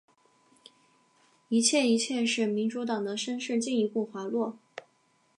一切一切使民主党的声势进一步滑落。